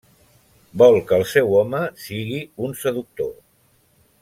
Vol que el seu home sigui un seductor.